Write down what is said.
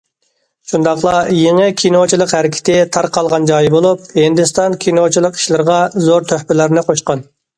شۇنداقلا‹‹ يېڭى كىنوچىلىق ھەرىكىتى›› تارقالغان جايى بولۇپ، ھىندىستان كىنوچىلىق ئىشلىرىغا زور تۆھپىلەرنى قوشقان.